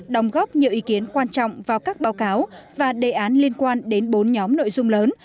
đồng góp nhiều ý kiến quan trọng vào các báo cáo và đề án liên quan đến bốn nhóm nội dung lớn